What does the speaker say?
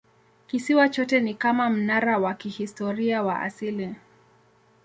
Kisiwa chote ni kama mnara wa kihistoria wa asili.